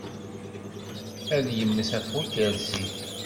Ad yemmet ɣef ukursi.